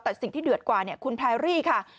แต่สิ่งที่เดือดกว่าคุณแพรรี่ค่ะ